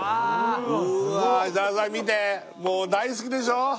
うわあ設楽さん見てもう大好きでしょ？